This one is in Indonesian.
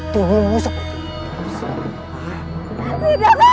tubuhmu seperti apa